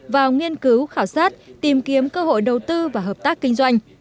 vào nghiên cứu khảo sát tìm kiếm cơ hội đầu tư và hợp tác kinh doanh